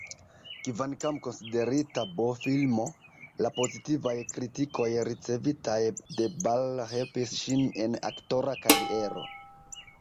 Kvankam konsiderita B-filmo, la pozitivaj kritikoj ricevitaj de Ball helpis ŝin en aktora kariero.